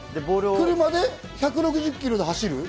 １６０キロで走る。